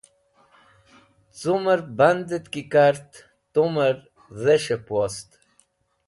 Cumẽr bandẽt ki kart tumẽr dhes̃heb wost.